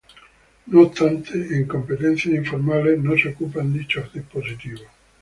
No obstante, en competencias informales no se ocupan dichos dispositivos.